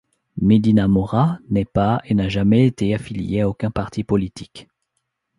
Medina-Mora n'est pas et n'a jamais été affilié à aucun parti politique.